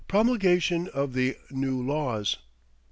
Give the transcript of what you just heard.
Promulgation of the "New Laws."